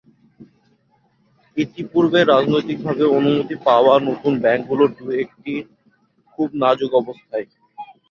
ইতিপূর্বে রাজনৈতিকভাবে অনুমতি পাওয়া নতুন ব্যাংকগুলোর দু একটি খুব নাজুক অবস্থায়।